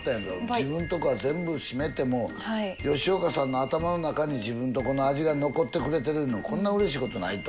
自分とこは全部閉めても吉岡さんの頭の中に自分とこの味が残ってくれてるいうのこんなうれしいことないと。